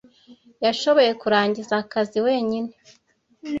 Yashoboye kurangiza akazi wenyine.